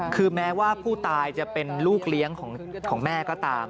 คือแม้ว่าผู้ตายจะเป็นลูกเลี้ยงของแม่ก็ตาม